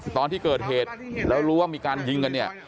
ตอนที่เกิดเหตุแล้วรู้ว่ามีการยิงกันเนี่ย